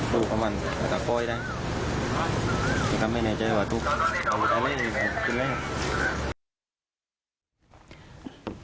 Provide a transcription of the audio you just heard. เหมือนมันโป้ยได้ก็เป็นเราจะอยู่ตรงไหน